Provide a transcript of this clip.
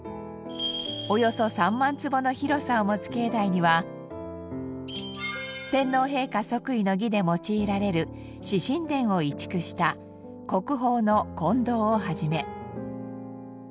およそ３万坪の広さを持つ境内には天皇陛下即位の儀で用いられる紫宸殿を移築した国宝の金堂を始め。